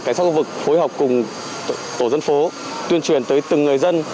cảnh sát khu vực phối hợp cùng tổ dân phố tuyên truyền tới từng người dân